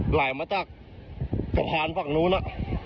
ไหลมาจากสะพานฝั่งนู้น